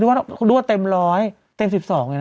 ด้วยว่าด้วยว่าเต็มร้อยเต็ม๑๒เหมือนกัน